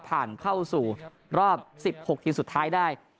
ผ่านเข้าสู่รอบสิบหกทีสุดท้ายได้